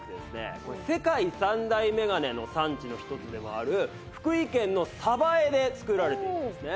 世界三大メガネの産地の一つでもある福井県の江で作られてるんですね。